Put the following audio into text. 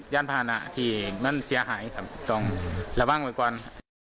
ยานพานะที่นั่นเสียหายครับต้องระวังไว้ก่อน